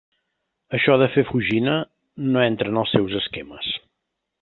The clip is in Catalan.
Això de fer fugina, no entra en els seus esquemes.